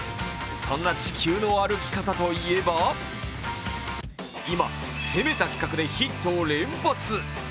そんな、地球の歩き方といえば今、攻めた企画でヒットを連発！